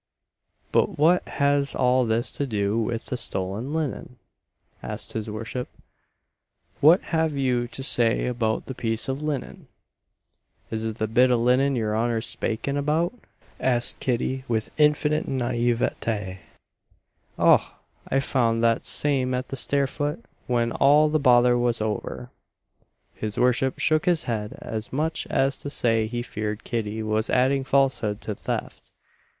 "But what has all this to do with the stolen linen?" asked his worship; "what have you to say about the piece of linen?" "Is it the bit o' linen your honour's spaking about?" asked Kitty, with infinite naïveté "Och! I found that same at the stair foot when all the bother was over!" His worship shook his head, as much as to say he feared Kitty was adding falsehood to theft.